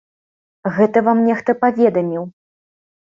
Гэта вам нехта паведаміў!